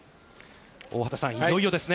大畑さん、いよいよですね。